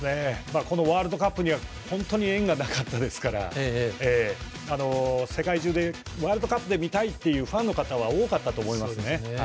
ワールドカップには本当に縁がなかったですから世界中でワールドカップで見たいというファンの方は見たかったと思いますね。